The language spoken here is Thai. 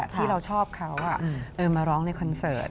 ที่เราชอบเขามาร้องในคอนเสิร์ต